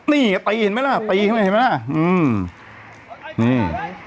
นี่ไงตีเห็นไหมล่ะตีเข้าไปเห็นไหมล่ะอืมนี่